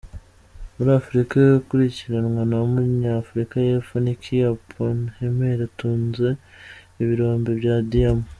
Muri Afurika akurikirwa n’ Umunya- Afurika y’ Epfo, Nicky Oppenheimer utunze ibirombe bya diyama.